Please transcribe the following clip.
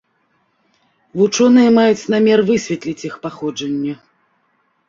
Вучоныя маюць намер высветліць іх паходжанне.